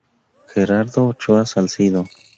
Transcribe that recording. Gerardo Ochoa Salcido.